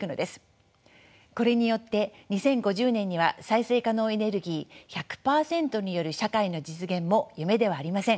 これによって２０５０年には再生可能エネルギー１００％による社会の実現も夢ではありません。